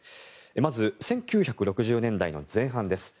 まず、１９６０年代の前半です。